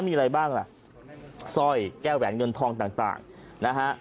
มีอะไรบ้างล่ะสร้อยแก้วแหวนเงินทองต่างนะฮะ